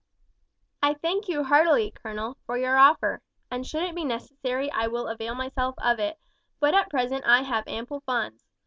"I thank you heartily, colonel, for your offer, and should it be necessary I will avail myself of it, but at present I have ample funds.